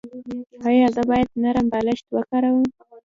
ایا زه باید نرم بالښت وکاروم؟